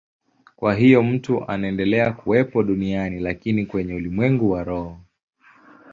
Kwa hiyo mtu anaendelea kuwepo duniani, lakini kwenye ulimwengu wa roho.